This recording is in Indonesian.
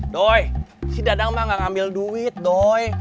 doi si dadang mah nggak ngambil duit doi